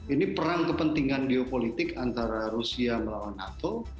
ini perang kepentingan geopolitik antara rusia melawan nato